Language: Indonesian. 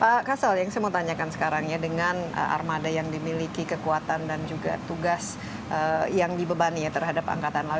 pak kasal yang saya mau tanyakan sekarang ya dengan armada yang dimiliki kekuatan dan juga tugas yang dibebani ya terhadap angkatan laut